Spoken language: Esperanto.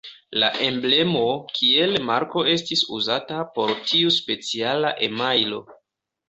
La emblemo kiel marko estis uzata por tiu speciala emajlo.